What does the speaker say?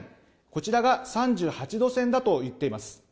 こちらが３８度線だといっています。